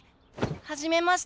はじめまして。